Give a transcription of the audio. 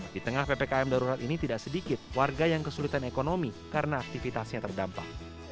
di tengah ppkm darurat ini tidak sedikit warga yang kesulitan ekonomi karena aktivitasnya terdampak